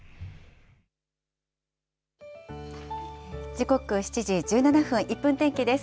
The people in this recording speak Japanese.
時刻７時１７分、１分天気です。